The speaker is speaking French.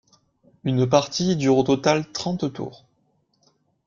Une partie dure au total trente tours.